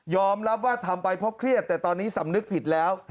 รับว่าทำไปเพราะเครียดแต่ตอนนี้สำนึกผิดแล้ว